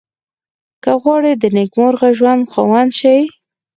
که غواړئ د نېکمرغه ژوند خاوند شئ.